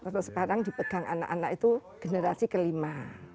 kalau sekarang dipegang anak anak itu generasi kelima